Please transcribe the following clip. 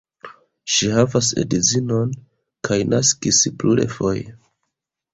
Ŝi havas edzon kaj naskis plurfoje.